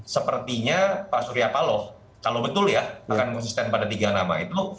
sepertinya pak surya paloh kalau betul ya akan konsisten pada tiga nama itu